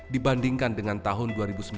dibandingkan dengan tahun dua ribu sembilan belas